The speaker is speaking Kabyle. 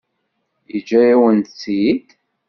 Yeǧǧa-yawen-tt-id?